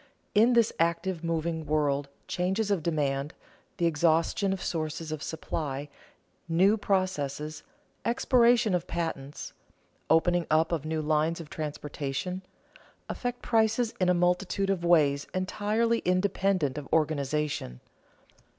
In this active, moving world, changes of demand, the exhaustion of sources of supply, new processes, expiration of patents, opening up of new lines of transportation, affect prices in a multitude of ways entirely independent of organization.